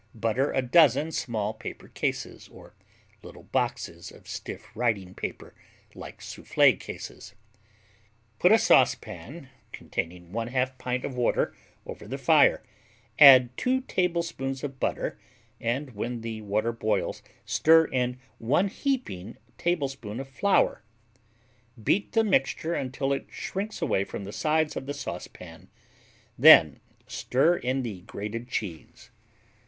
Butter a dozen small paper cases, or little boxes of stiff writing paper like Soufflé cases. Put a saucepan containing 1/2 pint of water over the fire, add 2 tablespoons of butter, and when the water boils, stir in 1 heaping tablespoonful of flour. Beat the mixture until it shrinks away from the sides of the saucepan; then stir in the grated cheese.